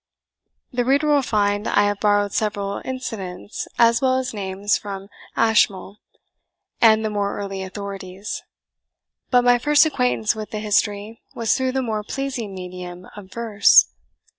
The reader will find I have borrowed several incidents as well as names from Ashmole, and the more early authorities; but my first acquaintance with the history was through the more pleasing medium of verse.